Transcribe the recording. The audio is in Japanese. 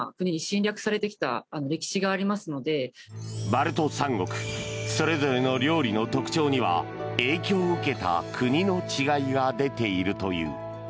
バルト三国それぞれの料理の特徴には影響を受けた国の違いが出ているという。